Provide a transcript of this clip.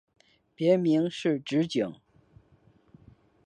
别名是直景。